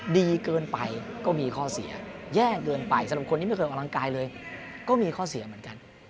ดีเกินไปก็มีข้อเสียแย่เกินไปสำหรับคนที่ไม่เคยออกกำลังกายเลยก็มีข้อเสียเหมือนกัน